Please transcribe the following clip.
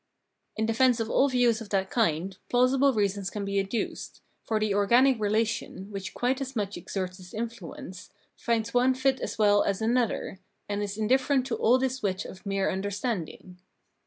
In defence of all views of that kind plausible reasons can be adduced ; for the organic relation, which quite as much exerts its influence, finds one fit as well as another, and is indifferent to all this wit of mere understanding.